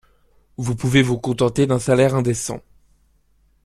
vous pouvez vous contenter d'un salaire indécent.